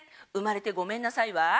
「生まれてごめんなさい」は？